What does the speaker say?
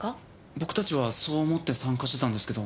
僕たちはそう思って参加してたんですけど。